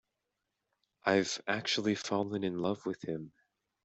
I've actually fallen in love with him.